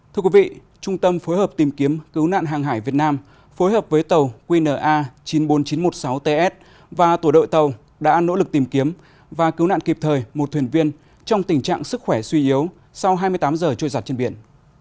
thưa quý vị trung tâm phối hợp tìm kiếm cứu nạn hàng hải việt nam phối hợp với tàu qna chín mươi bốn nghìn chín trăm một mươi sáu ts và tổ đội tàu đã nỗ lực tìm kiếm và cứu nạn kịp thời một thuyền viên trong tình trạng sức khỏe suy yếu sau hai mươi tám giờ trôi giặt trên biển